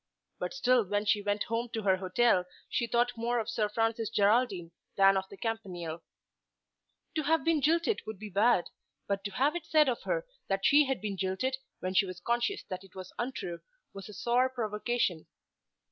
But still when she went home to her hotel she thought more of Sir Francis Geraldine than of the Campanile. To have been jilted would be bad, but to have it said of her that she had been jilted when she was conscious that it was untrue was a sore provocation.